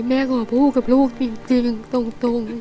แม่ขอพูดกับลูกจริงตรง